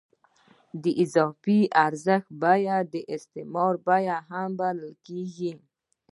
د اضافي ارزښت بیه د استثمار بیه هم بلل کېږي